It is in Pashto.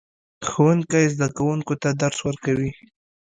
ښوونکی زده کوونکو ته درس ورکوي